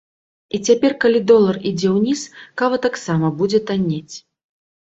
І цяпер, калі долар ідзе ўніз, кава таксама будзе таннець.